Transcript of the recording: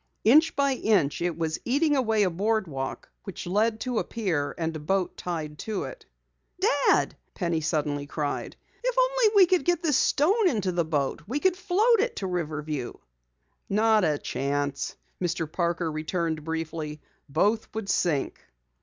Inch by inch it was eating away a board walk which led to a pier and a boat tied to it. "Dad!" Penny suddenly cried. "If only we could get this stone into the boat we could float it to Riverview!" "Not a chance," Mr. Parker returned briefly. "Both would sink."